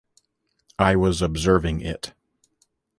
I was observing it.